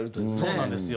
そうなんですよ。